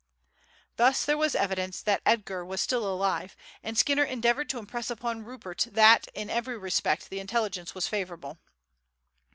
Thus there was evidence that Edgar was still alive, and Skinner endeavoured to impress upon Rupert that in every respect the intelligence was favourable.